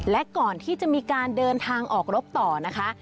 และก่อนที่จะมีการเดินทางออกรบต่อนะคะ